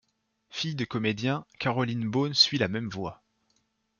Fille de comédiens, Caroline Beaune suit la même voie.